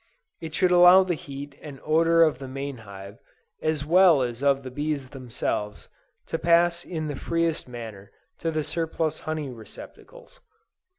It should allow the heat and odor of the main hive, as well as the bees themselves, to pass in the freest manner, to the surplus honey receptacles.